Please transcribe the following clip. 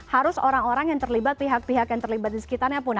harus orang orang yang terlibat pihak pihak yang terlibat di sekitarnya pun